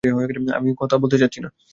আমি কথা বলতে চাচ্ছি না।